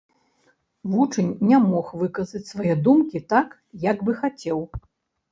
Вучань не мог выказаць свае думкі так, як бы хацеў.